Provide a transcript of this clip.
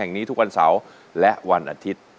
อย่างนี้ทุกวันเสาร์และวันอาทิตย์